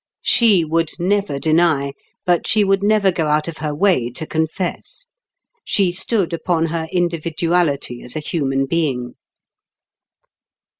She would never deny, but she would never go out of her way to confess. She stood upon her individuality as a human being.